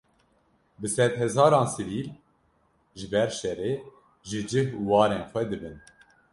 Bi sed hezaran sivîl, ji ber şerê, ji cih û warên xwe dibin